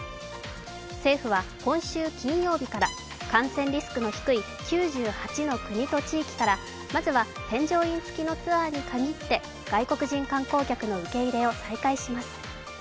政府は今週金曜日から感染リスクの低い９８の国と地域から、まずは添乗員付きのツアーに限って外国人観光客の受け入れを再開します。